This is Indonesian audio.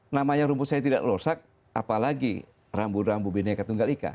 namanya rumput saya tidak rusak apalagi rambu rambu bineka tunggal ika